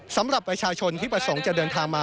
สำหรับประชาชนที่ประสงค์จะเดินทางมา